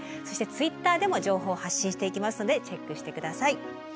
そしてＴｗｉｔｔｅｒでも情報を発信していきますのでチェックして下さい。